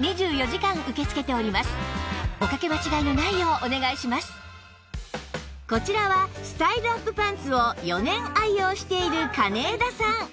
なおこちらはスタイルアップパンツを４年愛用している金枝さん